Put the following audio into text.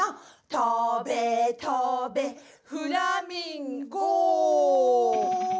「とべとべ」「フラミンゴ」